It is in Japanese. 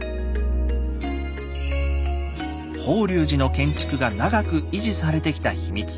法隆寺の建築が長く維持されてきたヒミツ。